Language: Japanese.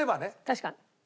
確かに。